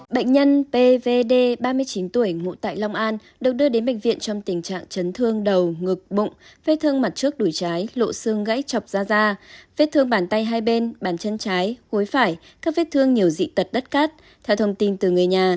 bệnh nhân pvd ba mươi chín tuổi ngụ tại long an được đưa đến bệnh viện trong tình trạng chấn thương đầu ngực bụng vết thương mặt trước đuôi trái lộ xương gãy chọc ra da da vết thương bàn tay hai bên bàn chân trái khối phải các vết thương nhiều dị tật đất cát theo thông tin từ người nhà